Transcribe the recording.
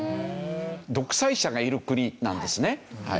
独裁者がいる国なんですね。